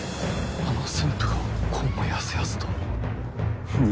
あの駿府がこうもやすやすと。